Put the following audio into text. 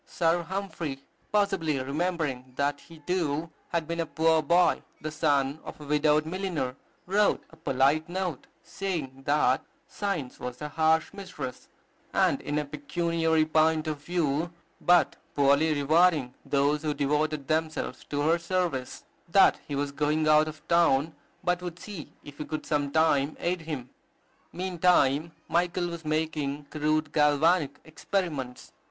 Sir Humphry, possibly remembering that he, too, had been a poor boy, the son of a widowed milliner, wrote a polite note, saying, that "Science was a harsh mistress, and, in a pecuniary point of view, but poorly rewarding those who devoted themselves to her service;" that he was going out of town, but would see if he could some time aid him. Meantime Michael was making crude galvanic experiments.